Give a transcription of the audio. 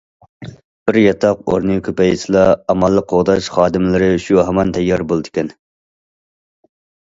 بىر ياتاق ئورنى كۆپەيسىلا، ئامانلىق قوغداش خادىملىرى شۇ ھامان تەييار بولىدىكەن.